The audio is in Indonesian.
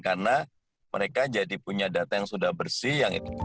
karena mereka jadi punya data yang sudah bersih